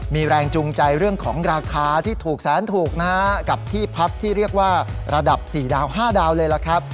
มีแรงจูงใจเรื่องของราคาที่ถูกแสนถูกนะฮะกับที่พักที่เรียกว่าระดับ๔ดาว๕ดาวเลยล่ะครับ